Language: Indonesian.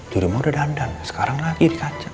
duri mau udah dandan sekarang lagi dikaca